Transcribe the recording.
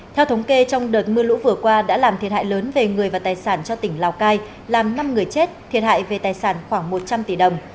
theo thống kê trong đợt mưa lũ vừa qua đã làm thiệt hại lớn về người và tài sản cho tỉnh lào cai làm năm người chết thiệt hại về tài sản khoảng một trăm linh tỷ đồng